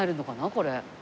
これ。